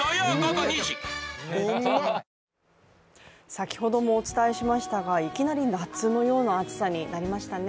先ほどもお伝えしましたがいきなり夏のような暑さになりましたね。